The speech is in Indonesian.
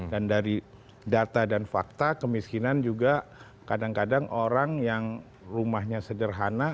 dan dari data dan fakta kemiskinan juga kadang kadang orang yang rumahnya sederhana